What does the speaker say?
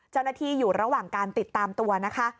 เจ้าหน้าที่อยู่ระหว่างการติดตามตัวนะคะ